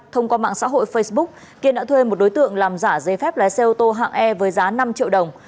thông qua mạng xã hội facebook kiên đã thuê một đối tượng làm giả giấy phép lái xe ô tô hạng e với giá năm triệu đồng